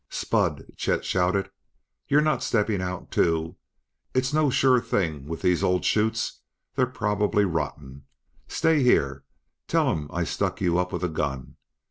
"Spud!" Chet shouted. "You're not stepping out too! It's no sure thing with these old 'chutes; they're probably rotten! Stay here! Tell 'em I stuck you up with a gun!